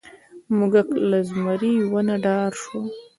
موږک له زمري ونه ډار شو.